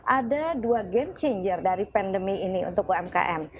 ada dua game changer dari pandemi ini untuk umkm